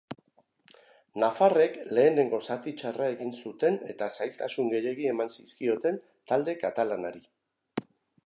Nafarrek lehenengo zati txarra egin zuten eta zailtasun gehiegi eman zizkioten talde katalanari.